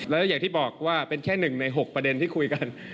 แล้วอย่างที่บอกว่าเป็นแค่๑ใน๖ประเด็นที่คุยกัน